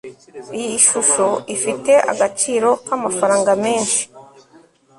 iyi shusho ifite agaciro k'amafaranga menshi